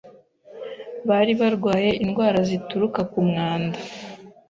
bari barwaye indwara zituruka ku mwanda